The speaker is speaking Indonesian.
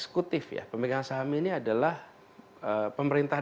sebelum kita sebagai pemegang saham ini kan bukan saja pemegang saham